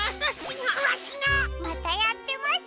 またやってます。